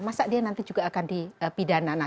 masa dia nanti juga akan dipidana